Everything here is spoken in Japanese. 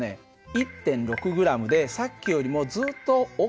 １．６ｇでさっきよりもずっと大きいんだよ。